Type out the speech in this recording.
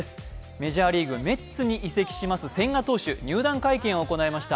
メジャーリーグ、メッツに移籍します千賀投手入団会見を行いました。